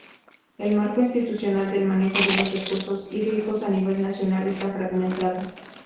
El marco institucional del manejo de los recursos hídricos a nivel nacional está fragmentado.